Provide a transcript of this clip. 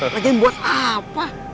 lagi buat apa